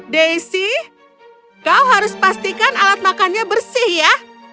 desi kau harus pastikan alat makannya bersih ya